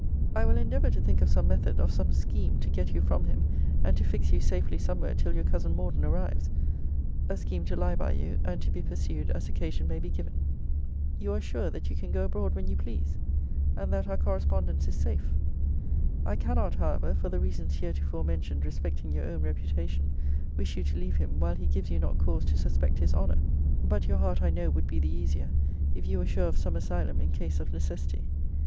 I will endeavour to think of some method, of some scheme, to get you from him, and to fix you safely somewhere till your cousin Morden arrives A scheme to lie by you, and to be pursued as occasion may be given. You are sure, that you can go abroad when you please? and that our correspondence is safe? I cannot, however (for the reasons heretofore mentioned respecting your own reputation,) wish you to leave him while he gives you not cause to suspect his honour. But your heart I know would be the easier, if you were sure of some asylum in case of necessity.